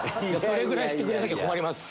それぐらいしてくれなきゃ困ります。